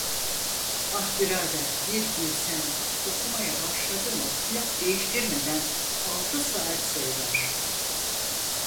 Ah birader, bir bilsen, okumaya başladı mı plak değiştirmeden altı saat söyler…